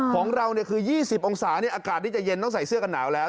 ของเราคือ๒๐องศาอากาศที่จะเย็นต้องใส่เสื้อกันหนาวแล้ว